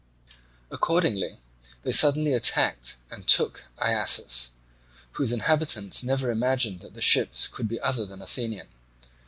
Accordingly they suddenly attacked and took Iasus, whose inhabitants never imagined that the ships could be other than Athenian.